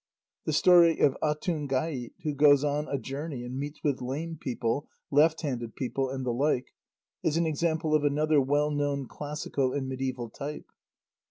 The story of Atungait, who goes on a journey and meets with lame people, left handed people, and the like, is an example of another well known classical and mediæval type.